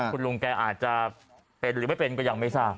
คุณลุงแกอาจจะเป็นหรือไม่เป็นก็ยังไม่ทราบ